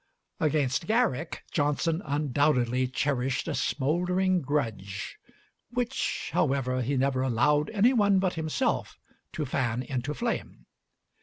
Against Garrick, Johnson undoubtedly cherished a smoldering grudge, which, however, he never allowed any one but himself to fan into flame.